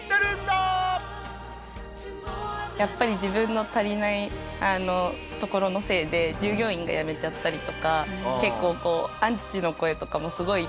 やっぱり自分の足りないところのせいで従業員が辞めちゃったりとか結構アンチの声とかもすごいいっぱいあって。